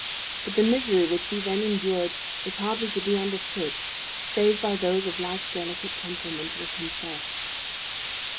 But the misery which he then endured is hardly to be understood, save by those of like delicate temperament with himself.